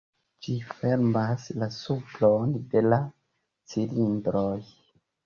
Ĝi fermas la supron de la cilindroj.